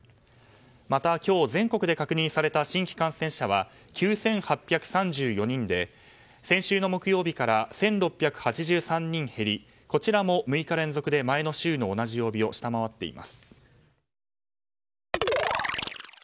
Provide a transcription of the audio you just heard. また今日、全国で確認された新規感染者は９８３４人で、先週の木曜日から１６８３人減りこちらも６日連続で前の週の同じ曜日を下回っています。